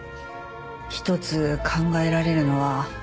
ひとつ考えられるのは。